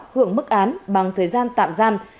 hưởng mức án bằng thời gian tạm gian